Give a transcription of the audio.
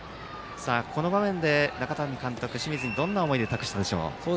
この場面で中谷監督は清水にどんな思いで託したでしょう？